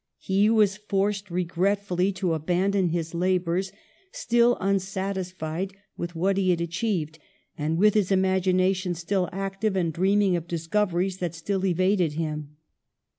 He was forced regretfully to abandon his labours, still unsatisfied with what he had achieved, and with his imagination still active and dreaming of discoveries that still evaded him.